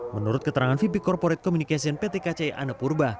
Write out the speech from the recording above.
menurut keterangan vp corporate communication pt kci anapurba